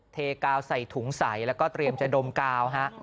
เทกาวใส่ถุงใสแล้วก็เตรียมจะดมกาวฮะ